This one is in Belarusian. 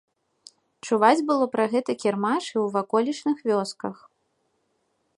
Чуваць было пра гэты кірмаш і ў ваколічных вёсках.